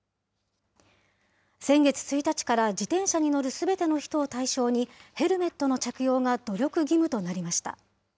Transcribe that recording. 先月１日から自転車に乗るすべての人を対象に、ヘルメットの着用が努力義務となりました。